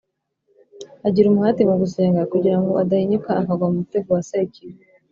Agira umuhati mu gusenga kugira ngo adahinyuka akagwa mu mutego wa Sekibi